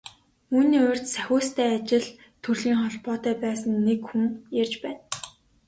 Үүний урьд Сахиустай ажил төрлийн холбоотой байсан нэг хүн ярьж байна.